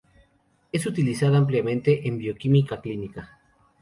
Es utilizada ampliamente en bioquímica clínica.